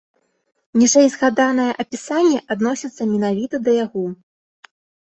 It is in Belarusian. Ніжэйзгаданае апісанне адносіцца менавіта да яго.